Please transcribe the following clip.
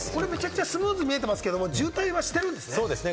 めちゃくちゃスムーズに見えてますけど、渋滞はしてるんですね。